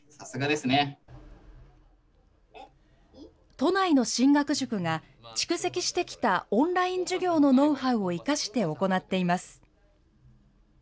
都内の進学塾が、蓄積してきたオンライン授業のノウハウを生かして行っています。